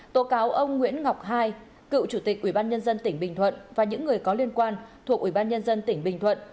tổ cáo ông nguyễn ngọc ii cựu chủ tịch ubnd tỉnh bình thuận và những người có liên quan thuộc ubnd tỉnh bình thuận